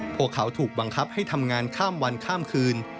พวกเขาถูกบังคับให้ทำงานข้ามวันข้ามคืน